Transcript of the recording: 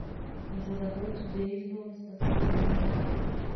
Um jogador de beisebol está segurando um bastão.